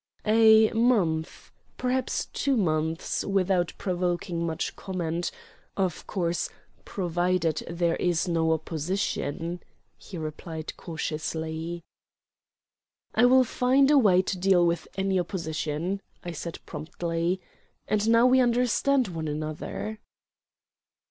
"A month, perhaps two months, without provoking much comment of course, provided there is no opposition," he replied cautiously. "I will find a way to deal with any opposition," said I promptly. "And now we understand one another."